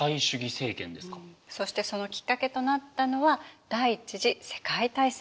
そしてそのきっかけとなったのは第一次世界大戦。